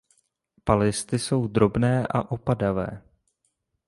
Palisty jsou drobné a opadavé.